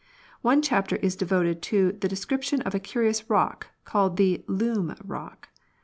One chapter is devoted to the description of a curious rock called the Loom Rock.